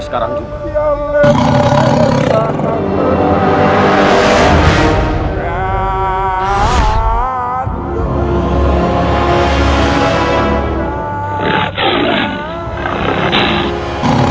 taruh habul jempol di bawah